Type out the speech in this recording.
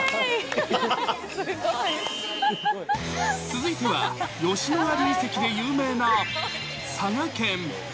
続いては吉野ヶ里遺跡で有名な佐賀県。